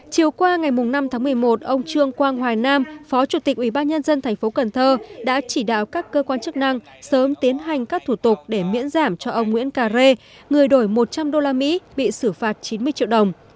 chiều qua ngày năm tháng một mươi một ông trương quang hoài nam phó chủ tịch ủy ban nhân dân thành phố cần thơ đã chỉ đạo các cơ quan chức năng sớm tiến hành các thủ tục để miễn giảm cho ông nguyễn cà rê người đổi một trăm linh usd bị xử phạt chín mươi triệu đồng